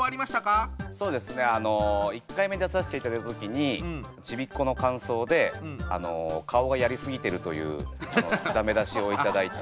そうですねあの１回目出させていただいた時にちびっ子の感想で「顔がやりすぎてる」というダメ出しを頂いて。